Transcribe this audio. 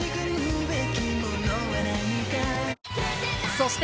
そして